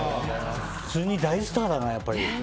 普通に大スターだね、やっぱり。